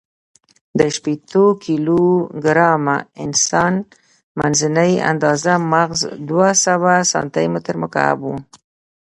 د شپېتو کیلو ګرامه انسان، منځنۍ آندازه مغز دوهسوه سانتي متر مکعب و.